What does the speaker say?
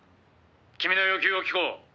「君の要求を聞こう」